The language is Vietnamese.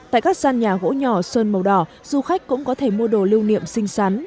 tại các sàn nhà gỗ nhỏ sơn màu đỏ du khách cũng có thể mua đồ lưu niệm xinh xắn